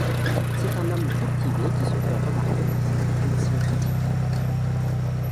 C'est un homme cultivé qui se fait remarquer par ses études scientifiques.